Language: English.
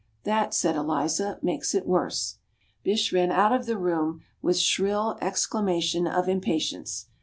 "That," said Eliza, "makes it worse." Bysshe ran out of the room with shrill exclamation of impatience.